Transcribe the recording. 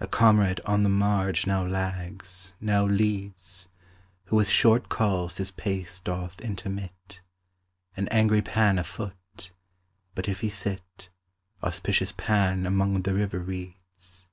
A comrade on the marge now lags, now leads, Who with short calls his pace doth intermit: An angry Pan, afoot; but if he sit, Auspicious Pan among the river reeds.